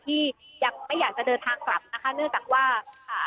ที่ยังไม่อยากจะเดินทางกลับนะคะเนื่องจากว่าอ่า